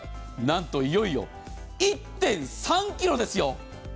なんと、いよいよ１．３ｋｇですよ。